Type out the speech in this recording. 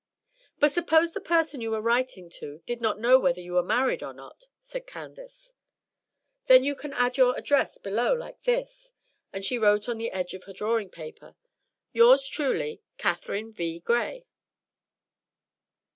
"But suppose the person you were writing to did not know whether you were married or not," said Candace. "Then you can add your address below, like this;" and she wrote on the edge of her drawing paper, "Yours truly, "CATHERINE V. GRAY.